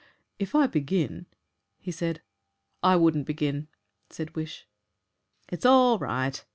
"If I begin " he said. "I wouldn't begin," said Wish. "It's all right!"